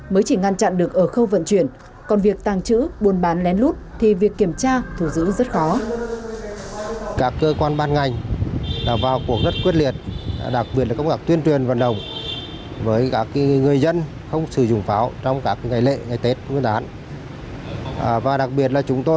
mới chỉ ngăn chặn được ở khâu vận chuyển còn việc tàng trữ buôn bán lén lút thì việc kiểm tra thu giữ rất khó